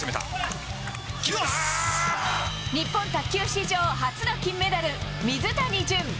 日本卓球史上初の金メダル水谷隼。